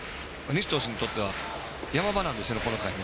西投手に関しては山場なんですよ、この回。